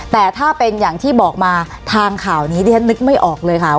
แต่ถ้าเป็นอย่างที่บอกมาทางข่าวนี้ดิฉันนึกไม่ออกเลยค่ะ